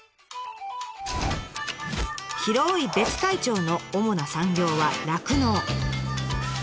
広い別海町の主な産業は酪農。